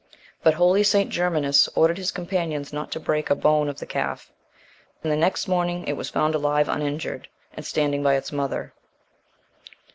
But holy St. Germanus ordered his companions not to break a bone of the calf; and, the next morning, it was found alive uninjured, and standing by its mother.